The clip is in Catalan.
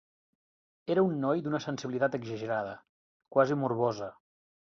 Era un noi d'una sensibilitat exagerada, quasi morbosa.